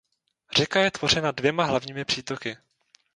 Řeka je tvořena dvěma hlavními přítoky.